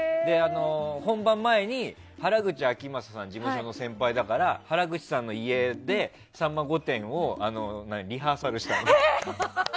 本番前に、原口あきまささんが事務所の先輩だから原口さんの家で「さんま御殿！！」をリハーサルしたの。